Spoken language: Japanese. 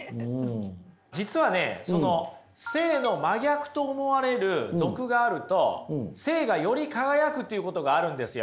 実はねその聖の真逆と思われる俗があると聖がより輝くということがあるんですよ。